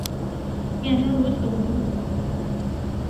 眼神如此无助